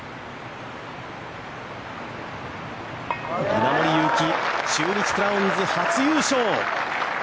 稲森佑貴、中日クラウンズ初優勝！